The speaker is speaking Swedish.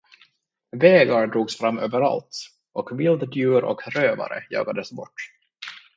Vägar drogs fram överallt, och vilddjur och rövare jagades bort.